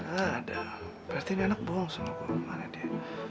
aduh berarti ini anak bohong sama gua mana dia